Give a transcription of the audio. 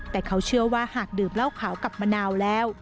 แต่เขาเชื่อว่าหากดื่มเหล้าขาวกับมะนาวแล้ว